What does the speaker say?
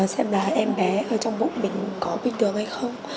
xem là em bé ở trong bụng mình có bình thường hay không